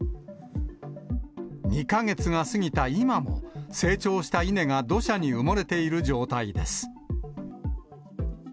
２か月が過ぎた今も、成長した稲が土砂に埋もれている状態です。